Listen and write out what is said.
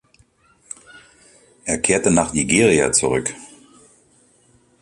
Er kehrte nach Nigeria zurück.